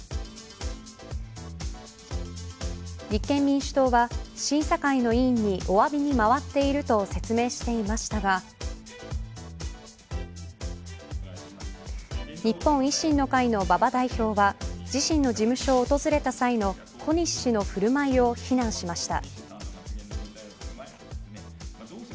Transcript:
立憲民主党は、審査会の委員にお詫びに回っていると説明していましたが日本維新の会の馬場代表は自身の事務所を訪れた際の小西氏の振る舞いを非難しました。